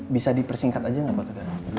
bisa dipersingkat aja gak pak togar